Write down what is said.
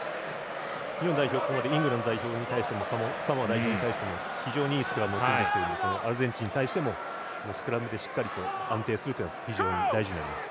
日本代表はイングランド代表に対してもサモア代表に対しても非常にいいスクラムをしてきているのでアルゼンチンに対してもスクラムでしっかりと安定するというのが非常に大事になります。